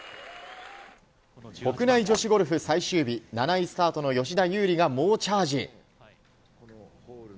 国内女子ゴルフ最終日７位スタートの吉田優利が猛チャージ。